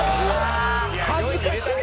恥ずかしい。